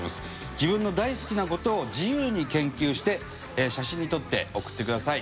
自分の大好きな事を自由に研究して写真に撮って送ってください。